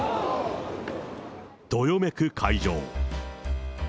どよめく会場。